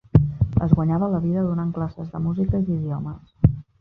Es guanyava la vida donant classes de música i d'idiomes.